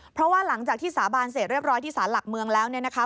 เพราะว่าหลังจากที่สาบานเสร็จเรียบร้อยที่สารหลักเมืองแล้วเนี่ยนะคะ